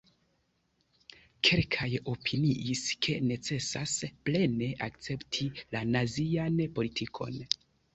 Kelkaj opiniis, ke necesas plene akcepti la nazian politikon.